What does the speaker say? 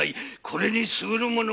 これにすぐるものはない。